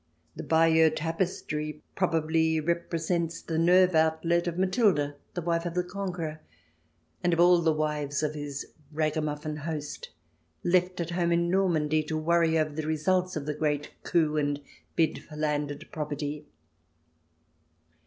The Bayeux tapestry probably represents the nerve outlet of Matilda, the wife of the Con queror, and of all the wives of his ragamuffin host, left at home in Normand}'' to worry over the results of the great coup and bid for landed property.